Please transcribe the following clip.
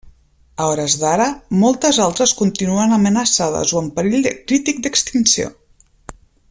A hores d'ara, moltes altres continuen amenaçades o en perill crític d'extinció.